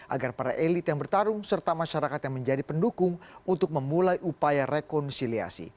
agar para elit yang bertarung serta masyarakat yang menjadi pendukung untuk memulai upaya rekonsiliasi